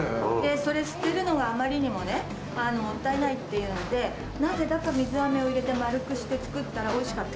それを捨てるのがあまりにももったいないっていうんでなぜだか水飴を入れて丸くして作ったらおいしかった。